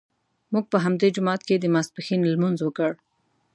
موږ په همدې جومات کې د ماسپښین لمونځ وکړ.